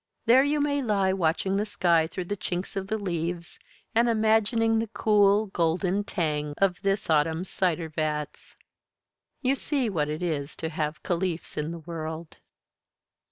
There you may lie watching the sky through the chinks of the leaves, and imagining the cool, golden tang of this autumn's cider vats. You see what it is to have Caliphs in the world.